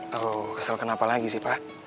atau kesel kenapa lagi sih pak